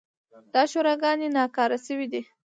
دا شوراګانې ناکاره شوې دي.